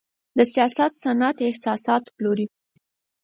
د سیاحت صنعت احساسات پلوري.